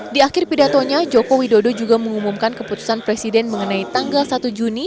di akhir pidatonya joko widodo juga mengumumkan keputusan presiden mengenai tanggal satu juni